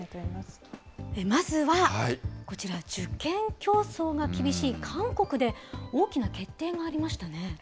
まずはこちら、受験競争が厳しい韓国で、大きな決定がありましたね。